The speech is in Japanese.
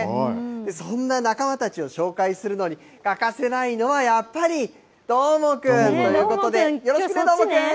そんな仲間たちを紹介するのに欠かせないのは、やっぱりどーもくんということで、よろしくね、どーもくん！